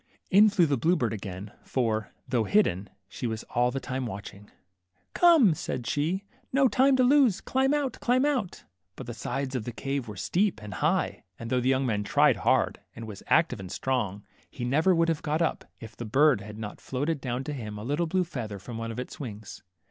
In flew the blue bird again, for, though hidden, she was all the time watching. Come," said she, no time to lose ; climb out, climb out !" But the sides of the cave were steep and high, and though the young man tried hard, and was active and strong, he never would have got up, if the bird had not floated down to him a little blue feather from one of its wings.